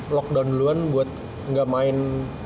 lockdown duluan buat nggak main